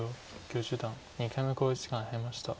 許十段２回目の考慮時間に入りました。